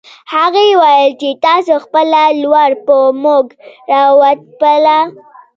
هغې ويل چې تاسو خپله لور په موږ راوتپله